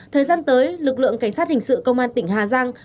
thời gian tới lực lượng cảnh sát hình sự công an tỉnh hà giang